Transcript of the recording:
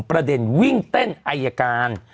ประเด็นวิ่งเต้นอายการ